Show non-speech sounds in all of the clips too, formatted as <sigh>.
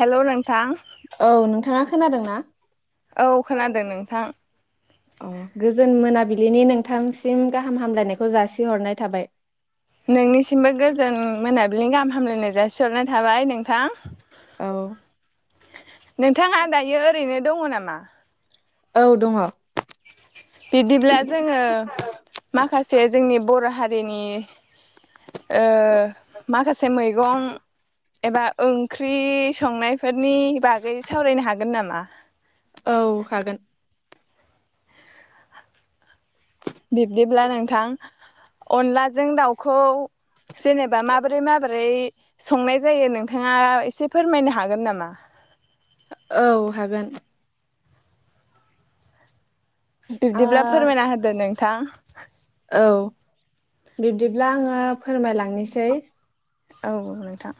हेल' नोंथां औ नोंथाङा खोनादों ना? औ खोनादों नोंथां अ गोजोन मोनाबिलिनि नोंथांसिम गाहाम हामलायनायखौ जासिहरनाय थाबाय नोंनिसिमबो गोजोन मोनाबिलिनि गाहाम हामलायनाय जासिहरनाय थाबाय नोंथां औ नोंथाङा दायो ओरैनो दङ नामा औ दङ बिदिब्ला जोङो माखासे जोंनि बर हारि रिनि ओ माखासे मैगं एबा ओं ख्रि संनायफोरनि बागै सावरायनो हागोन नामा औ हागोन बिब्दिब्ला नोंथां अनलाजों दाउखौ जेनेबा माबोरै माबोरै संनाय जायो नोंथाङा एसे फोरमायनो हागोन नामा औ हागोन आ बिब्दिब्ला फोरमायना होदो नोंथां। आ। औ बिब्दिब्ला आङो फोरमायलांनोसै। औ नोंथां।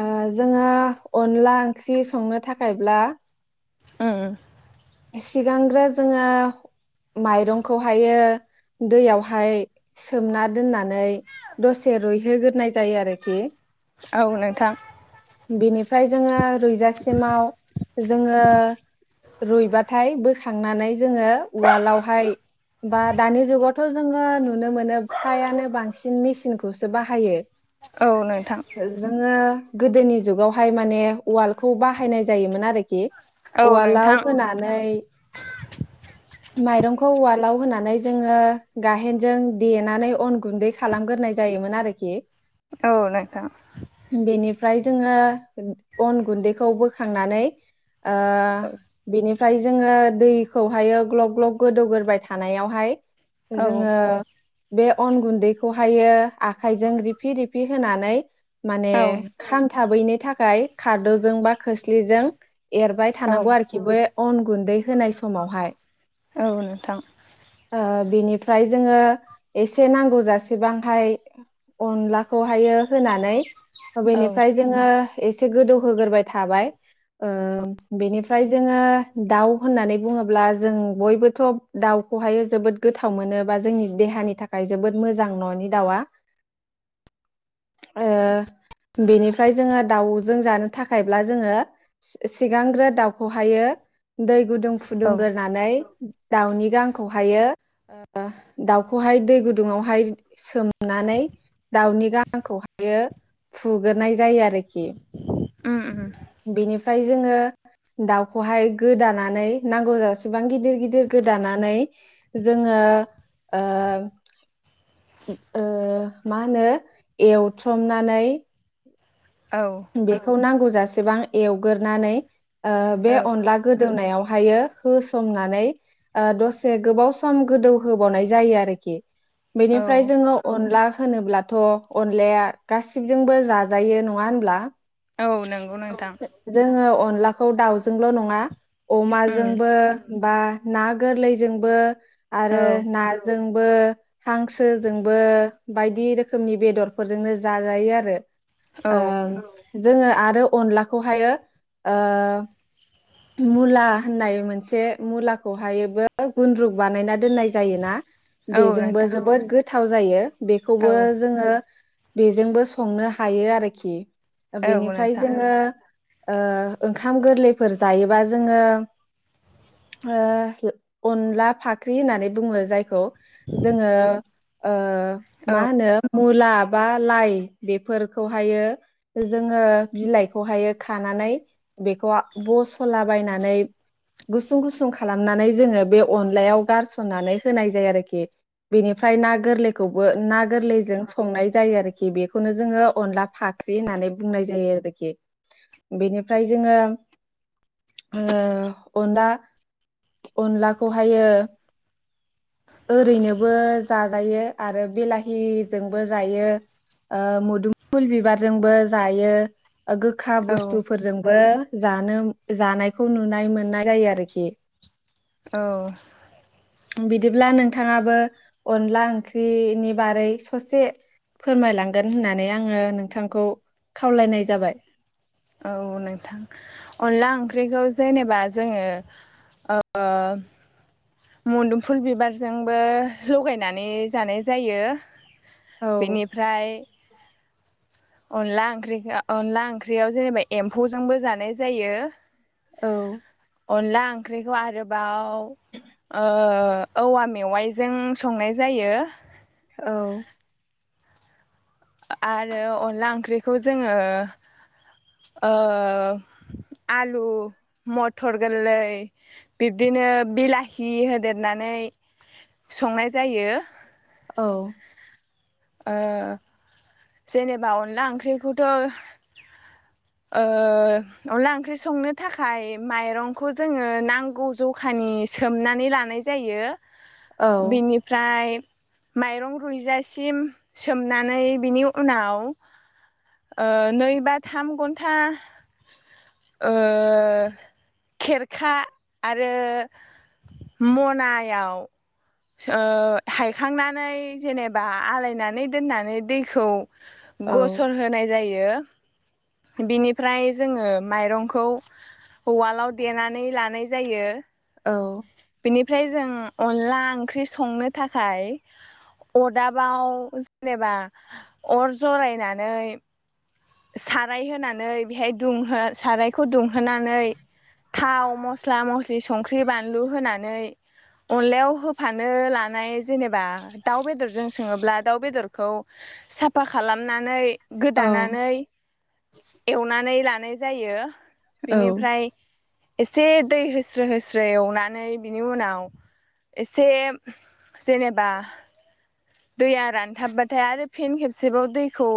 आ जोङो अनला ओंख्रि संनो थाखायब्ला। ओ। सिगांग्रो जोङो माइरंखौहायो दैयावहाय सोमना दोननानै दसे रुइहोग्रोनाय जायो आरोखि। औ नोंथां। बिनिफ्राय जोङो। रैजासिमाव जोङो। रुइबाथाय बोखांनानै जोङो उवालावहाय बा दानि जुगावथ' जोङो नुनो मोनो फ्रायानो बांसिन मेसिनखौसो बाहायो। औ नोंथां। जोङो गोदोनि जुगावहाय माने वालखौ बाहायनाय जायोमोन आरोखि। औ उवालाव नोंथां होनानै। माइरंखौ उवालाव होनानै जोङो गायेनजों देनानै अन गुन्दै खालामग्रोनाय जायोमोन आरोखि। औ नोंथां। ओमफ्राय जोङो अन गुन्दैखौ बोखांनानै। ओ बिनि। ओमफ्राय जोङो दैखौहायो। ग्लब ग्लब गोदौगोराय थानायावहाय। औ जोङो। बे अन गुन्दैखौहायो आखायजों रिफि रिफि होनानै। माने औ खांथाबैनो। थाखाय खारदौजों बा खोस्लिजों। एरबाय औ थानांगौ आरोखिबो। अन गुन्दै होनाय समावहाय। औ नोंथां आ। बिनिफ्राय जोङो एसे नांगौ जसेबांहाय अनलाखौहायो। होनानै औ बेनिफ्राय जोङो। एसे गोदौहोग्राय थाबाय ओ बेनिफ्राय जोङो दाउ होननानै बुङोब्ला जों। बयबोथ' दाउखौहाय जोबोद गोथाव मोनो, बा जोंनि देहानि थाखाय जोबोद मोजां न'नि दाउआ। ओ बेनिफ्राय जोङो दाउजों जानो थाखायब्ला जोङो सिगांग्रो दाउखौहायो। दै गुदुं औ फुदुंग्रोनानै। दाउनि गांखौहायो ओ दाउखौह दै गुदुंआव हाय सोम। नानै दाउनि गाहांखौहायो। फुग्रोनाय जायो आरो। आरोखि उम उम बेनि। ओमफ्राय जोङो दाउखौहाय गोदानानै नांगौ जाजासिबां गिदिर-गिदिर गिदिर गोदानानै जोङो ओ- ओ मा होनो एवथमनानै औ बेखौ नांगौ जासेबां एवगोरनानै बे औ अनला गोदौनायाव हायो होसननानै ओ दसे गोबाव सम गोदौ होबावनाय जायो आरोखि। औ बेनिफ्राय जोङो अनला होनोब्लाथ' अनलाया गासिबजोंबो जाजायो नङा होनब्ला? <inaudible> औ नंगौ नोंथां। जोङो अनलाखौ दाउजोंल' नङा उम अमाजोंबो बा ना गोरलैजोंबो आरो औ नाजों बो हांसोजोंबो बायदि रोखोमनि बेदरफोरजोंनो जाजायो आरो। औ ओ। जोङो आरो अनलाखौहायो ओ, मुला होननाय मोनसे मुलाखौ हायोबो गुन्द्रुक बानायनानै दोननाय जायोना औ बेजोंबो नोंथां जोबोद गो गोथाव जायो। औ बेखौबो जोङो बेजोंबो संनो हायो आरोखि। औ बेनिफ्राय नोंथां जोङो ओ ओंखाम गोरलैफोर जायोबा जोङो ओ अनला फाख्रि होननानै बुङो जायखौ जोङो ओ औ मा होनो मुला बा लाइ बेफोरखौहायो जोङो बिलाइखौहाय खानानै बेखौ बस'लाबायनानै गुसुं-गुसुं खालामनानै जोङो बे अनलायाव गारसननानै होनाय जायो आरोखि बेनिफ्राय ना गोरलैखौबो ना गोरलैजों संनाय जायो आरोखि बेखौनो जोङो अनला फाख्रि होननानै बुंनाय जायो आरोखि बेनिफ्राय जोङो ओ अनला अनलाखौहायो ओरैनोबो जाजायो आरो बिलाहिजोंबो जायो मोदुमफुल बिबारजोंबो जायो गोखा औ बुस्थुफोरजोंबो जानो जानायखौ नुनाय मोननाय जायो आरोखि औ बिदिब्ला नोंथाङाबो अनला ओंख्रिनि बारै ससे फोरमायलांगोन होननानै आङो नोंथांखौ खावलायनाय जाबाय औ नोंथां अनला ओंख्रिखौ जेनेबा जोङो ओ मदुमफुल बिबारजोंबो लगायनानै जानाय जायो औ बेनिफ्राय अनला ओंख्रिखौ अनला ओंख्रियाव जेनेबा एम्फौजोंबो जानाय जायो औ अनला ओंख्रिखौ आरोबाव ओ औवा मेवाइजों संनाय जायो औ आरो अनला ओंख्रिखौ जोङो ओ आलु मथर गोरलै बिब्दिनो बिलाहि होदेरनानै संनाय जायो औ ओ जेनेबा अनला ओंख्रिखौथ' ओ अनला ओंख्रि संनो थाखाय माइरंखौ जोङो नांगौ जखानि सोमनानै लानाय जायो औ बिनिफ्राय माइरं रुइजासिम सोमनानै बिनि उनाव ओ नै बा थाम घन्टा ओ खेरखा आरो मनायाव ओ हायखांनानै जेनेबा आलायनानै दोननानै दैखौ औ गसर होनाय जायो बिनिफ्राय जोङो माइरंखौ उवालाव देनानै लानाय जायो औ बेनिफ्राय जों अनला ओंख्रि संनो थाखाय अरदाबाव जेनेबा अर जरायनानै साराय होनानै बेहाय दुंहो सारायखौ दुंहोनानै थाव मस्ला मस्लि संख्रि बानलु होनानै अनलायाव होफानो लानाय जेनेबा दाउ बेदरजों संओब्ला दाउ बेदरखौ साफा खालामनानै गोदानानै एवनानै लानाय जायो औ बेनिफ्राय एसे दै होस्रो होस्रो एवनानै बिनि उनाव एसे जेनेबा दैया रानथाबबाथाय आरो फिन खेबसेबाव दैखौ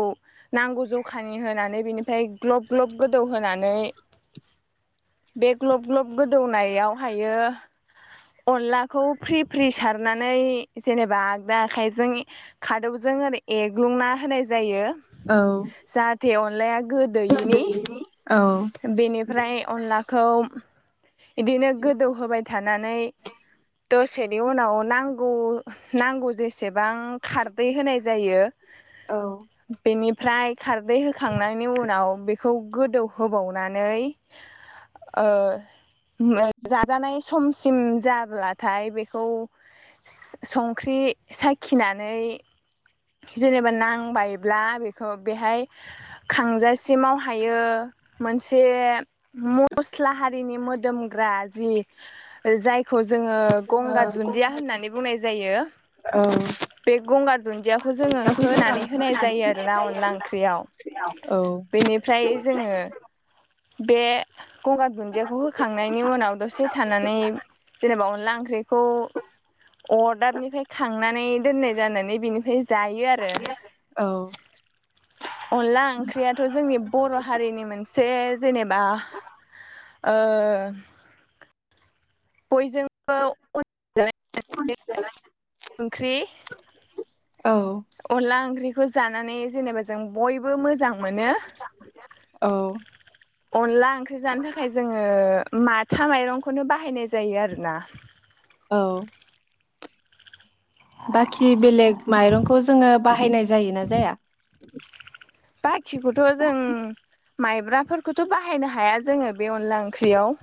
नांगौ जखानि होनानै बेनिफ्राय ग्लब ग्लब गोदौहोनानै बे ग्लब ग्लब गोदौनायावहायो अनलाखौ फ्रि फ्रि सारनानै जेनेबा आगदा आखाय जों खादौजों ओरै एरग्लुंना होनाय जायो जाहाते अन लाया गोदैयिनि औ बेनिफ्राय अनलाखौ बिदिनो गोदौहोबाय थानानै दसेनि उनाव नांगौ नांगौ जेसेब बां खारदै होनाय जायो बेनि फ्राय खारदै होखांनायनि उनाव बेखौ गोदौहोबावनानै ओ जाजानाय समसिम जाब्लाथाय बेखौ संख्रि सा खिनानै जेनेबा नांबायब्ला बेखौ बेहाय खांजासिमाव हायो मोनसे मस्ला हारिनि मोदोमग्रा जि जाय खौ जोङो गंगार दुन्दिया होननानै बुंनाय जायो बे गंगार दुन्दिया जोङो होनानै होनाय जायो आरो ना अनला ओंख्रियाव बेनिफ्राय जोङो बे गंगार दुन्दियाखौ होखांनायनि उनाव दसे थानानै जेनेबा अनला ओं ओंख्रिखौ अरदाबनिफ्राय खांनानै दोननाय जानानै बेनिफ्राय जायो आरो अनला ओंख्रियाथ' जोंनि बर' हारिनि मोनसे जेनेबा ओ बयजोंबो अनसायजानाय ओंख्रि औ अनला ओंख्रि खौ जानानै जेनेबा जों बय बो मोजां मोनो अनला ओंख्रि जानो थाखाय जोङो माथा माइरंखौनो बाहायनाय जायो आरोना औ बाखि बेलेग माइरंखौ जोङो बाहायनाय जायोना जाया बाखिखौथ' जों माइब्राफोरखौथ' बाहायनो हाया जोङो बे अनला ओंख्रियाव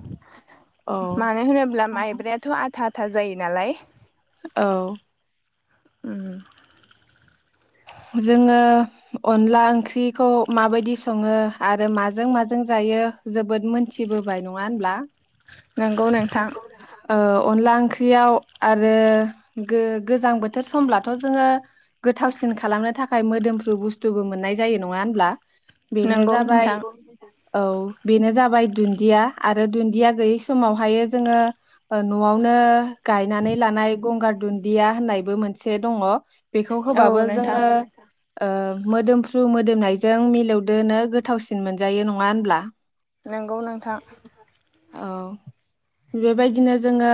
औ मानो होनोब्ला माइब्रायाथ' आथा था जायो नालाय औ उम जोङो अनला ओंख्रिखौ माबायदि सङो आरो माजों माजों जायो जोबोद मोनथिबोबाय नङा होनब्ला नोंगौ नोंथां ओ अनला ओंख्रियाव आरो गो गोजां बोथोर समब्लाथ' जोङो गोथावसि खालामनो थाखाय मोदोमफ्रु बुस्थुबो मोननाय जायो नङा होनब्ला? बेनो नंगौ जाबाय नोंथां औ बेनो जाबाय दुन्दिया आरो दुन्दिया गैयै समावहाय जोङो न'आवनो गायनानै लानाय गंगार दुन्दिया होननायबो मोनसे दङ। बेखौ औ होबाब बो नोंथां जोङो ओ मोदोमफ्रु मोदोमनायजों मिलौदोनो गोथावसिन मोनजायो नङा होनब्ला? नोंगौ नोंथां औ बेबायदिनो जोङो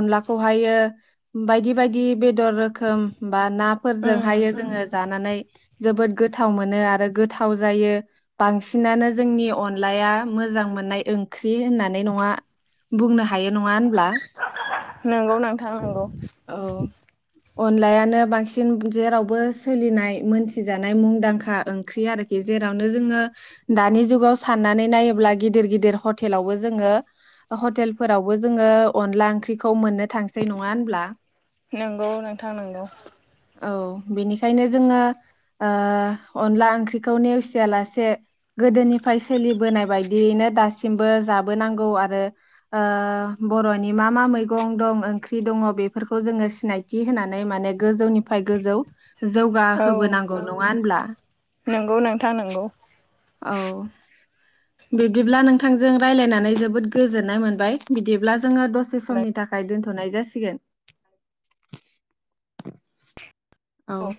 अनलाखौहायो बायदि बायदि बेदर रोखोम बा उम फोरजोंहायो जोङो जानानै जोबोद गोथाव मोनो आरो गोथाव जायो बांसिनानो जोंनि अनलाया मोजां मोननाय ओंख्रि होननानै नङा बुंनो ह हायो नङा होनब्ला? नोंगौ नोंथां नोंगौ औ अनलायानो बांसिन जेरावबो सोलिनाय मोनथिजानाय मुंदांखा ओंख्रि आरोखि जेरावनो जोङो दानि जुगाव साननानै नायोब्ला गिदिर गिदिर हटेलावबो जोङो हटेलफोरावबो जोङो अनला ओंख्रिखौ मोननो थांसै नङा होनब्ला नोंगौ नोंथां नोंगौ औ बेनिखायनो जोङो ओ अनला ओंख्रिखौ नेवसियालासे गोदोनिफ्राय सोलिबोनाय बायदियैनो दासिमबो जाबोनांगौ आरो ओ बर'नि मा मा मैगं दं ओंख्रि दङ बे फोरखौ जोङो सिनायथि होनानै माने गोजौनिफाय गोजौ औ जौगाहोबोनांगौ नङा होनब्ला <inaudible> नंगौ नोंथां नंगौ औ बिब्दिब्ला नोंथांजों रायलायनानै जोबोद गोजोननाय मोनबाय बिदिब्ला जोङो दसे समनि थाखाय दोनथ थ'नाय जासिगोन औ